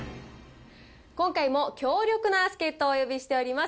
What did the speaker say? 今回も強力な助っ人をお呼びしております。